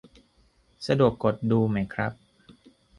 สะดวกกดดูไหมครับ